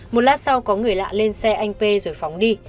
một lát sau có người lạ lên xe anh p rồi phóng đi